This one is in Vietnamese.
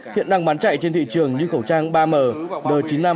hiện đang bán chạy trên thị trường như khẩu trang ba m b chín mươi năm